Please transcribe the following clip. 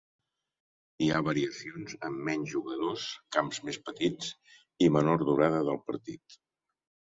Hi ha variacions amb menys jugadors, camps més petits i menor durada del partit.